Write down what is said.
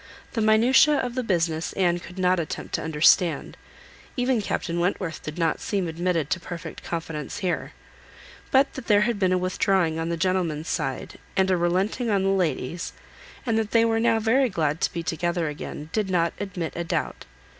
The minutiae of the business Anne could not attempt to understand; even Captain Wentworth did not seem admitted to perfect confidence here; but that there had been a withdrawing on the gentleman's side, and a relenting on the lady's, and that they were now very glad to be together again, did not admit a doubt.